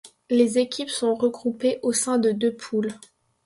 Les équipes sont regroupées au sein de deux poules.